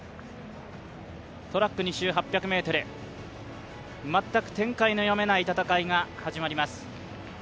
トラック２周８００ｍ、全く展開の読めない戦いが始まります。